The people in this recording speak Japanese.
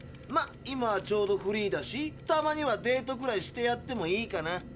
今はちょうどフリーだしたまにはデートくらいしてやってもいいかな。